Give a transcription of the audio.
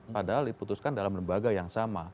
padahal diputuskan dalam lembaga yang sama